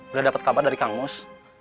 udah dapat kabar dari kang mus